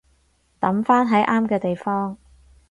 抌返喺啱嘅地方